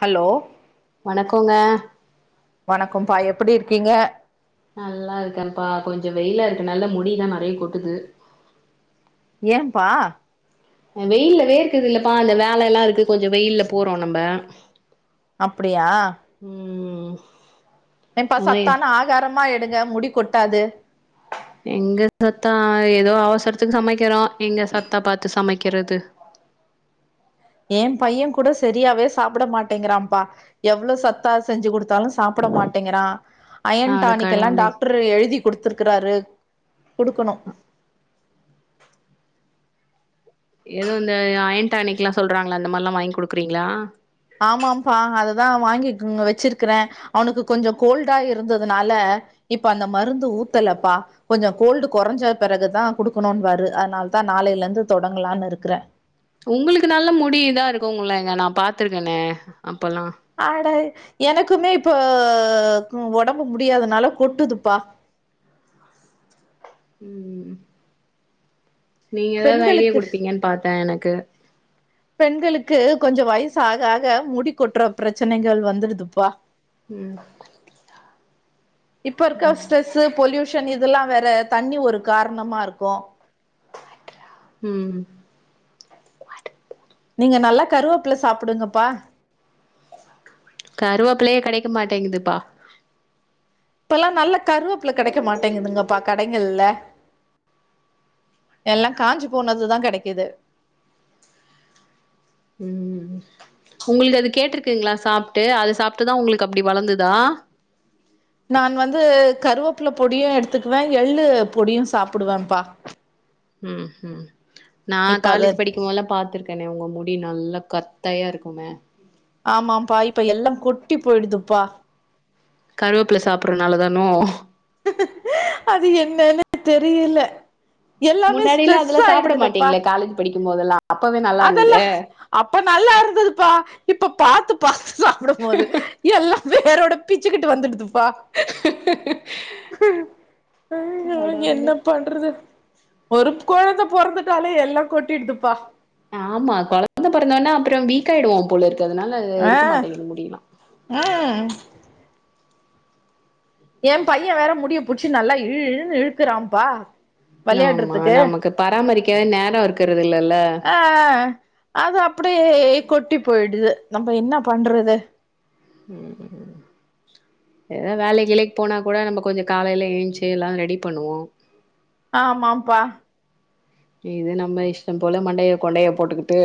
Hello வணக்கொங்க வணக்கம் பா எப்டி இருக்கீங்க நல்லா இருக்கேன்ப்பா கொஞ்ச வெய்லா இருக்கனால முடிலா நெறய கொட்டுது ஏன் பா அ வெயில்ல வேற்குது இல்லப்பா அந்த வேல எல்லா இருக்கு கொஞ்ஜோ வெயில்ல போறோ நம்ப அப்டியா ம் என்ப்பா அதா எ சத்தான ஆகாரமா எடுங்க முடி கொட்டாது எங்க சத்தா ஏதோ அவசரத்துக்கு சமைக்கிறோ எங்க சத்தா பாத்து சமைக்கிறது என் பையன் கூட சரியாவே சாப்ட மாட்டேங்கிறான்ப்பா எவ்ளொ சத்தா செஞ்சு குடுத்தாலும் சாப்ட மாட்டேங்குறா அட அயன்டானிக் கெல்லா கடவுளே டாக்ட்ரு எழுதி குடுதுருக்குறாரு குடுக்கணு எது இந்த அயன்டானிக்லா சொல்றாங்களா அந்த மாரிலா வாங்கி குடுக்றீங்ளா ஆமாம்பா அதுதா வாங்கி குங் வச்சிருக்ற அவ்னுக்கு கொஞ்ச கோல்டா இருந்ததுனால இப்ப அந்த மருந்து ஊத்தலப்பா கொஞ்ச கோல்டு குறஞ்ச பிறகுதா குடுக்கணுன் வாரு அதனால தா நாளைல இருந்து தொடங்கலான் இருக்குற உங்ளுக்கு நல்ல முடி இதா இருக்கும்ல நா பாத்துருக்கன அப்பல்லா அட எனக்குமே இப்போ ஒடம்பு முடியாதனால கொட்டுதுப்பா ம் நீங்க ஏதாது ஐடியா பெண்களுக்கு குடுப்பீங்கன் பாத்தே எனக்கு பெண்களுக்கு கொஞ்சோ வயசு ஆக ஆக மூடி கொட்ற பிரச்சனைகள் வந்துடுதுப்பா ம் இப்ப இருக்க ஸ்ட்ரெசு பொலியூஷன் இதெல்லா வேற தண்ணி ஒரு காரணமாருக்கு ம் நீங்க நல்லா கருவேபில்ல சாப்டுங்கபா கருவேப்பிள்ளயே கெடைக்க மாட்டேங்குது பா இப்பல்லா நல்ல கருவேப்பில்ல கிடைக்க மாட்டேங்குதுங்கப்பா கடைகள்ல எல்லா காஞ்சி போனதுதா கெடைகுது ம் உங்களுக்கு அது கேட்டிருக்குங்களா சாப்புட்டு அது சாப்புட்டு தா உங்களுக்கு அப்டி வளந்துதா நான் வந்து கருவேப்புள்ள பொடியு எடுத்துக்குவே எள்ளு பொடியு சாப்புடுவேன்ப்பா ம் ம் நா இப்ப அத காலேஜ் படிக்கும்போதுல்ல பாத்துருக்கே ஏ ன உங்க முடி நல்லா கத்தயா இருக்கும ஆமாம்பா இப்ப எல்லா கொட்டி போயிடுதுப்பா கருவேப்பில சாப்டறனால தானோ அது என்னன்னு தெரியல எல்லாமே முன்னாடிலா ஸ்ட்ரெஸ் அதெல்லா சாப்ட ஆயிடுதுலப்பா மாட்டீங்களே காலேஜ் படிக்கும் போதெல்லா அப்பவே நல்லா அதெலா இருந்தது அப்ப நல்லாருந்துதுப்பா இப்ப பாத்து பாத்து சாப்டுபோது எல்லா வேரோட பிச்சுக்கிட்டு வந்துடுதுப்பா ம் ஐயோ கடவுளே என்ன பண்றது ஒரு கொழந்த பொறந்துட்டாலே எல்லா கொட்டிடுதுப்பா ஆமா கொழந்த பொறந்தோனே அப்றொ வீக் ஆயிவோ போலருக்கு அதனால ஆ இருக்க மாட்டேங்து முடிலா ம் ஏ பைய வேற முடிய புடிச்சி நல்லா இழு இழுனு இழுக்குறாப்பா ஆமா நமக்கு பராமரிக்கவே நேரொ இருக்றது இல்லல்ல ஆ அது அப்டியே கொட்டி போயிடுது நம்ம என்ன பண்றது ம் ஏதா வேலைக்கு கீலைக்கு போனா கூட நம்ம கொஞ்சோ காலைல ஏஞ்ச்சி எல்லா ரெடி பண்ணுவோ ஆமாம்பா இது நம்ம இஷ்டம் போல மண்டைய கொண்டைய போட்டுக்கிட்டு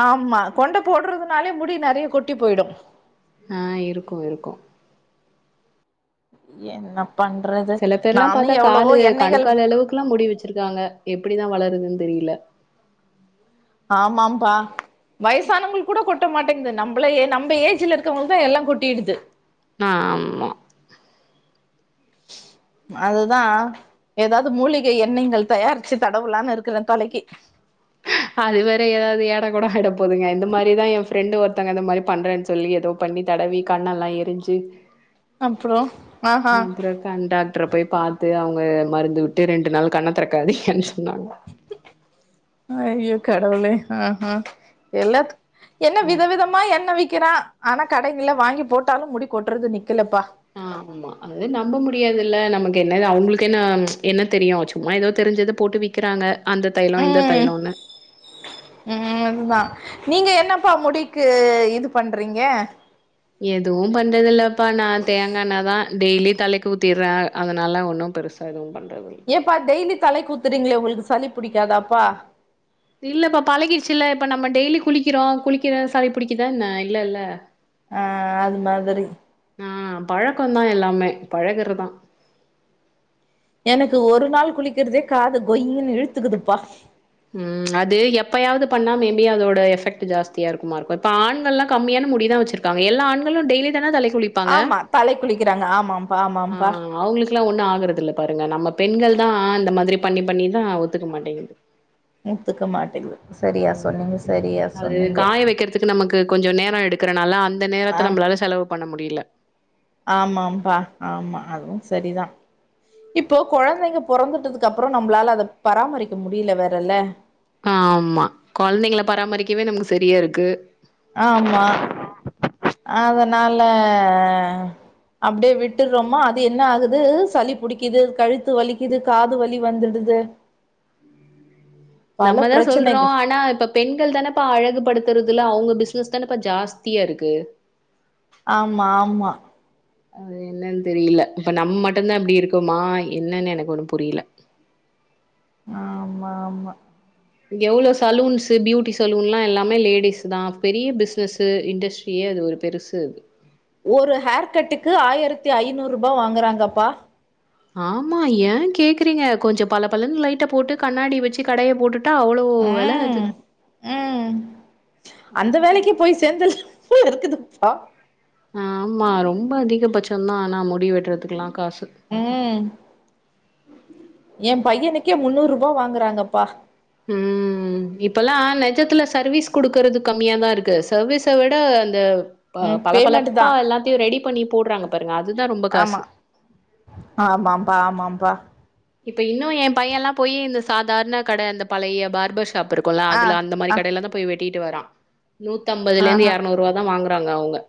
ஆமா கொண்ட போடுறதுனாலே முடி நெறைய கொட்டி போய்டு ஆ இருக்கு இருக்கு என்ன பண்றது சில பேர்லா நானு பாத்தா எவ்வளவோ காலு எண்ணெய்கள் கனுக்கால் அளவுக்குலா முடி வச்சிருக்காங்க எப்டிதா வளருதுன்னு தெரில ஆமாம்பா வயசானவங்களுக்கூட கொட்ட மாட்டேங்து நம்மள நம்ம ஏஜ்ல இருக்கவங்கதா எல்லா கொட்டிடுது ஆமா அதுதா ஏதாது மூலிகை எண்ணைங்கள் தயாரிச்சி தடவுலானுருக்கிறே தலைக்கி அது வேற ஏதாது ஏடா கூட ஆய்ட போதுங்க இந்த மாதிரிதா ஏ ஃபிரெண்டு ஒருத்தங்க இந்த மாரி பண்றேன்னு சொல்லி ஏதோ பண்ணி தடவி கண்ணெல்லா எரிஞ்சி அப்றோ ஆஹா அப்றோ கண் டாக்டர போய் பாத்து அவுங்க மருந்து வுட்டு ரெண்டு நாள் கண்ண தெறக்காதிங்கன்னு சொன்னாங்ளா ஐயோ கடவுளே ஆ ஆ எல்லாத் என்ன ம் வித விதமா எண்ணெ விக்கிறா ஆனாக் கடைங்கில்ல வாங்கிப் போட்டாலும் முடி கொட்றது நிக்கிலப்பா ஆ ஆமா அது நம்ப முடியாதில்ல நமக்கு என்னது அவுங்ளுக்கு என்ன என்னத் தெரியு சும்மா எதோ தெரிஞ்சதப் போட்டு விக் கிறாங்க அந்தத் தைலோ இந்தத் ம் தைலோன்னு ம் அதுதா நீங்க என்னப்பா முடிக்கு இதுப் பண்றீங்க எதுவும் பண்றதில்லப்பா நா தேங்காண்ணதா டெய்லி தலைக்கு ஊத்திர்றே அதனால ஒன்னும் பெருசு சா எதுவும் பண்றதில் எப்பா டெய்லி தலைக்கு ஊத்துறீங்ளே ஒங்குளுக்கு சளிப் புடிக்காதாப்பா இல்லப்பா பழகிருச்சில்ல இப்ப நம்ம டெய்லி குளிக்கிறோ குளிக்கிறத சளிப் புடிக்குதா என்ன இல்லல்ல ஆ அது மாதிரி ஆ பழக்கந்தா எல்லாமே பழகுறதா எனக்கு ஒரு நாள் குளிக்கிறதே காது கொய்யீன்னு இழுத்துகுதுப்பா ம் அது எப்பயாவுது பண்ணா மேபி அதோட எஃபெக்ட்டு ஜாஸ்தியாருக்குமாருக்கு இப்ப ஆண்கள்லா கம்மியான முடிதா வெச்சிருக் காங்க எல்லா ஆண்களு டெய்லிதான தலைக்குளிப் ஆமா தலைக் குளிக்கிறாங்க ஆமாம்ப்பா ஆமாம்ப்பா க்லா ஒன்னு ஆகறதில்லப் பாருங்க நம்மப் பெண்கள்தா இந்த மாதிரிப் பண்ணிப் பண்ணிதா ஒத்துக்க மாட்டேங்கிது முத்துக்க மாட்டேகுது ம் அவுரு காய வெக்கிறத் துக்கு நமக்கு கொஞ்சோ நேரோ எடுக்கறனால அந்த ஆ நேரத்த நம்ளால செலவு பண்ண முடில ஆமாம்பா ஆமா அதுவு செரிதா இப்போ கொழந்தைங்க பொறந்துட்டதுக்கப்றோ நம்ளால அதப் பராமரிக்க முடில வேற இல்ல ஆமா கொழந்தைங்ள பராமரிக்கவே நமக்கு செரியா இருக்கு ஆம்மா அதனால அப்டியே விட்டுர்றோமா அது என்ன ஆகுது சளிப் பிடிக்கிது கழுத்து வலிக்கிது காது வலி வந்துருடுது பல நம்மதா சொல்றோ பிரச்சனைகள் ஆனா இப்பப் பெண்கள் தானப்பா அழகுபடுத்துறதுல அவுங்க பிசினஸ் தானப்பா ஜாஸ்தியாருக்கு ஆமா ஆமா அது என்னன் தெரியில இப்ப நம்ம மட்டுந்தா இப்டி இருக்கோமா என்னன்னு எனக்கு ஒன்னும் புரியில ஆமா ஆமா எவ்ளோ சலூன்ஸு பியூட்டி சலூன்லா எல்லாமே லேடிஸுதா பெரிய பிசினஸு இண்டஸ்ட் ஈயே அது ஒருப் பெருசு அது ஒரு ஹேர் கட்டுக்கு ஆயிரத்தி ஐநூறுபா வாங்கறாங்கப்பா ஆமா ஏங் கேக்குறீங்க கொஞ்சப் பல பலன் லைட்டப் போட்டு கண்ணாடி வெச்சி கடையப் போட்டுட் டா அவ்ளோ வெல அது ம் ம் அந்த வேலைக்கு போய் சேந்தல் சூ இருக்குதுப்பா ஆ ஆம்மா ரொம்ப அதிகபட்சந்தா ஆனா முடி வெட்டுறதுக்குலா காசு ம் எம் பையனுக்கே முன்னூறுபா வாங்கறாங்கப்பா ம் ம் இப்பல்லா நெஜத்துல சர்வீஸ் குடுக்கறது கம்மியாதா இருக்கு சர்வீஸ விட அந்த ப ம் பள பேமெண்ட் பளப்பா தா எல்லாத்தையு ரெடிப் பண்ணி போட்றாங்க பாருங்க அதுதா ரொம்ப ஆமா காசு ஆமாம்பா ஆமாம்பா இப்ப இன்னு எம் பையலாப் போயி இந்த சாதார்ண கட இந்த பழைய பார்பர் ஷாப் இருக்குல ஆ அதுல அந்த மாரி ஆ கடைல தா போய் வெட்டிட்டு வரா நூத்தம்பதுல இருந்து எரநூறு ரூவா தா வாங்குறாங்க அவங்க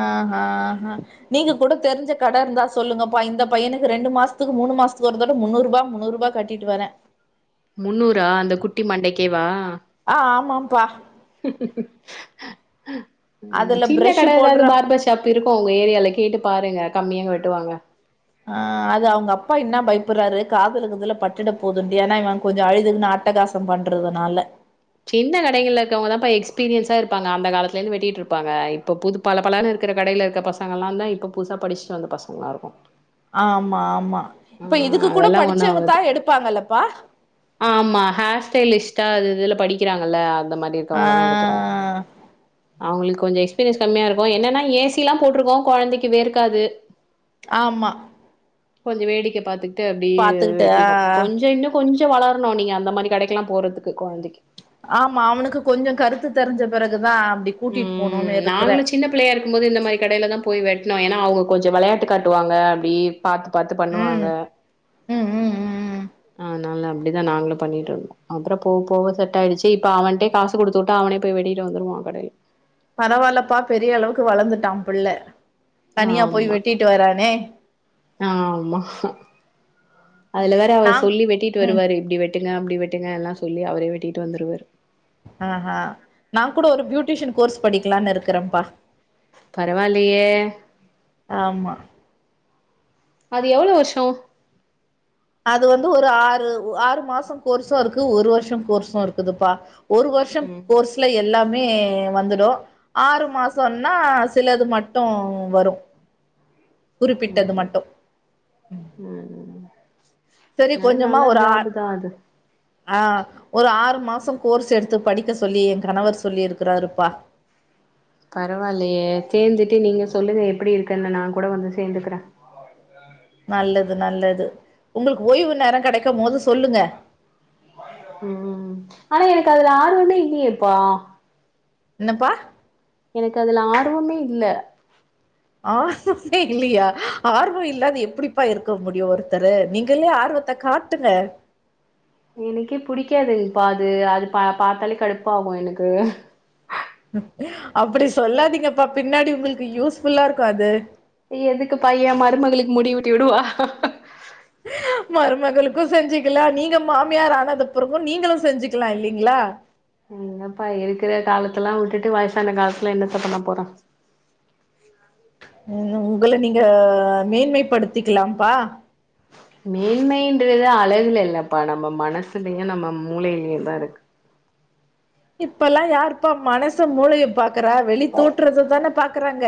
அ ஹ அ ஹ நீங்க கூட தெரிஞ்ச கட இருந்தா சொல்லுங்கப்பா இந்த பையனுக்கு ரெண்டு மாசத்துக்கு மூணு மாசத்துக்கு ஒரு தடவ முன்னூறு ரூபா முன்னூறு ரூபா கட்டி கிட்டு வரே முந்நூறா அந்த குட்டி மண்டைக்கேவா அ ஆமாம்பா அதுல சின்ன பிரஷ்ஷு கட போடுற ஏதாவது [unintelligible] தப்பு இருக்கு உங்க ஏரியால கேட்டு பாருங்க கம்மியாக வெட்டுவாங்க அ அது அவங்க அப்பா என்ன பயப்படுறாரு காதுலகீதுல பட்டிட போது ஏன்னா இவங்க கொஞ்சோ அழுதுக்குன்ன அட்டகாச [unintelligible] பண்ணுறதுனால சின்ன கடைகள இருக்கவங்க தான்ப்ப எக்ஸ்பீரியன்ஸா இருப்பாங்க அந்த காலத்திலருந்து வெட்டிட்டு இருப்பாங்க இப்ப புது பளபளன இருக்கிற கடையில இருக்க பசங்கள்லா தா இப்ப புதுசா படிச்சுட்டு வந்த பசங்களா இருக்கு ஆமா ஆமா இப்ப ஆ இதுக்கு கூட அதெல்லா ஒண்ணு படிச்சவங்க தா ஆவாது எடுப்பாங்கல்லப்பா ஆமா ஹேர் ஸ்டைலிஸ்ட்டாது இதுல படிக்கிறாங்கல்ல அந்த மாரி ஆ இருக்கறவங்களதா எடுக்கறாங்க அவங்களுக்கு கொஞ்சோ எக்ஸ்பீரியன்ஸ் கம்மியா இருக்கு என்னன்னா ஏசி எல்லா போட்டுருக்கோ கொழந்தைக்கு வேர்க்காது ஆமா கொஞ்சோ வேடிக்க பாத்துக்கிட்டு அப்டியே பாத்துக்கிட்டு ஆ வெட்டிக்கு ஆ. கொஞ்ச இன்னு கொஞ்ச வளரணு நீங்க அந்த மாரி கடைக்குல்லா போறதுக்கு கொழந்தைக்கு ஆமா அவனுக்கு கொஞ்ச கருத்து தெரிஞ்ச பெறகுதா அப்டி கூட்டிட்டு ம் போணுன்னு இருக்குறே நாங்களு சின்னப் பிள்ளையா இருக்குபோது இந்த மாரி கடையில தா போய் வெட்னு ஏன்னா அவங்க கொஞ்சோ வெளையாட்டு காட்டுவாங்க அப்டி பாத்து பாத்து பண்ணுவாங்க ம் ம் ம் ம் ம் அ நல்லா அப்டிதா நாங்களு பண்ணிட்ருந்தோ அப்றோ போக போக செட் ஆயிடுச்சு இப்ப அவன்ட்டே காசு குடுத்துட்டா அவனே போய் வெட்டிட்டு வந்ருவா கடையில பரவால்லப்பா பெரிய அளவுக்கு வளந்துட்டா பிள்ள தனியா போய் வெட்டிட்டு வரானே அ ஆமா அதுல வேற அவரு நாங் சொல்லி வெட்டிட்டு ம் வருவாரு இப்டி வெட் வெட்டுங்க அப்டி வெட்டுங்க எல்லா சொல்லி அவரே வெட்டிட்டு வந்துருவாரு அ ஹ நா கூட ஒரு பியூட்டிஷியன் கோர்ஸ் படிக்லான்னு இருக்றேப்பா பரவால்லயே ஆமா அது எவ்ளோ வருஷோ அது வந்து ஒரு ஆறு ஆறு மாச கோர்ஸு இருக்கு ஒரு வருஷ கோர்ஸு இருக்குதுப்பா ஒரு வரு சம் ம் கோர்ஸ்ல எல்லாமே வந்துடு ஆறு மாசம்னா சிலது மட்டு வரு குறிப்பிட்டது ம் மட்டு ம் சரி அது நல்லா ஜாப்தா அது அ ஒரு ஆறு மாசகோர்ஸ் எடுத்து படிக்க சொல்லி என் கணவர் சொல்லிருக்குறாருப்பா பரவாயில்லயே சேந்துட்டு நீங்க சொல்லுங்க எப்டி இருக்குன்னு நா கூட வந்து சேந்துகிரே நல்லது நல்லது உங்ளுக்கு ஓய்வு நேர கெடைக்கு போது சொல்லுங்க ம் ஆனா எனக்கு அதுல ஆர்வமே இல்லயேப்பா என்னப்பா எனக்கு அதுல ஆர்வமே இல்ல ஆர்வமே இல்லயா ஆர்வ இல்லாத எப்டிப்பா இருக்க முடியு ஒருத்தரு நீங்களே ஆர்வத்த காட் ட்டுங்க எனக்கே புடிக்காது இப்ப அது அது பா பாத்தாலே கடுப்பாகு எனக்கு அப்டி சொல்லாதீங்கப்பா பின்னாடி உங்களுக்கு யூஸ் ஃபுல்லா இருக்கு அது எதுக்குப்பா ஏ மருமகளுக்கு முடி வெட்டி விடவா மருமகளுக்கு செஞ்சிக்கலா நீங்க மாமியார் ஆனதுக் பெறகு நீங்களு செஞ்சிக்லா இல்லைங்ளா எங்கப்பா இருக்குற காலத்தெல்லா விட்டுட்டு வயசான காலத்துல என்னத்த பண்ண போறோ ம் உங்கள நீங்க மேன்மைப்படுத்திக்கலாப்பா மேன்மைன்றது அழகுல இல்லப்பா நம்ம மனசுலயு நம்ம மூலையிலயுந்தா இருக்கு இப்பல்லா யாருப்பா மனசு மூளைய பாக்குறா வெளி தோற்றத்தான பாக்குறாங்க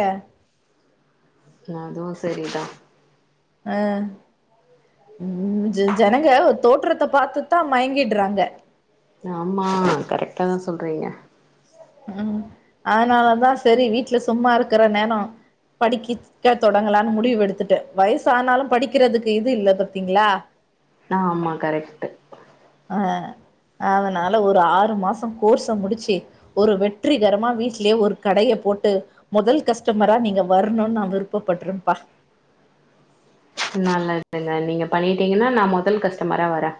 இன்ன அதுவு சரிதா ஆ ம் ஜனங்க தோற்றத்த பாத்துதா மயங்கிட்றாங்க ஆமா கரெக்டாதா சொல்றீங்க ம் அதனால தா சரி வீட்ல சும்மா இருக்குற நேரோ படிக் க தொடங்கலான்னு முடிவு எடுத்துட்டே வயசு ஆனாலு படிக்கிறதுக்கு இது இல்ல பாத்தீங்ளா ஆமா கரெக்ட்டு ஆ அதனால ஒரு ஆறு மாசோ கோர்ஸ முடிச்சி ஒரு வெற்றிகரமா வீட்லயே ஒரு கடய போட்டு மொதல் கஸ்டமரா நீங்க வரணுன்னு நா விருப்பப் படுறேப்பா நல்லதுங்க நீங்க பண்ணிட்டீங்கன்னா நா மொதல் கஸ்டமரா வர்றே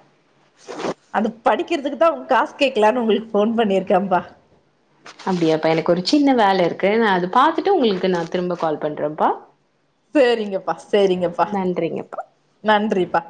அடுத்து அடிக்கிறதுக்குதா உங்க காசு கேக்கலான்னு உங்களுக்கு ஃபோன் பண்ணிருக்கேம்பா அப்டியாப்பா எனக்கு ஒரு சின்ன வேலை இருக்கு நா அது பாத்துட்டு உங்களுக்கு நா திரும்ப கால் பண்றேப்பா சேரிங்கப்பா சேரிங்கப்பா நன்றிங்கப்பா நன்றிப்பா